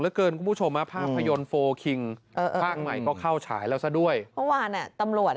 แล้วเกินผู้ชมภาพยนตร์โฟล์คิงภาคใหม่ก็เข้าฉายแล้วซะด้วยว่าเนี่ยตำรวจ